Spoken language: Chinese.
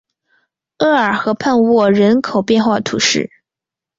厄尔河畔沃人口变化图示